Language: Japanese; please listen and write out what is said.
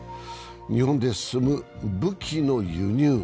日本で進む武器の輸入。